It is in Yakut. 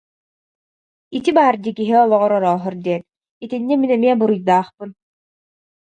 Ити баар дии киһи олоҕор орооһор диэн, итиннэ мин эмиэ буруйдаахпын